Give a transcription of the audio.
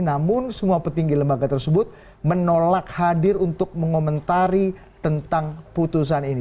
namun semua petinggi lembaga tersebut menolak hadir untuk mengomentari tentang putusan ini